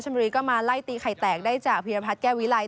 บุรีก็มาไล่ตีไข่แตกได้จากพิรพัฒน์แก้ววิไล